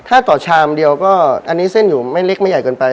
ถ้าต่อชามเดียวก็อันนี้เส้นอยู่ไม่เล็กไม่ใหญ่เกินไป